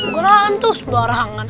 garaan tuh sebarangan